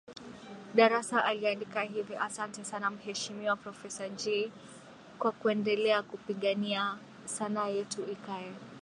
Darassa aliandika hivi asante sana Mheshimiwa Professor Jay kwa kuendelea kupigania sanaa yetu ikae